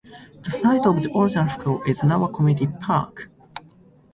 The site of the original school is now a community park.